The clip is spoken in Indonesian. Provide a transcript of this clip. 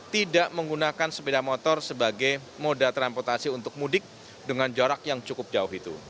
tidak menggunakan sepeda motor sebagai moda transportasi untuk mudik dengan jarak yang cukup jauh itu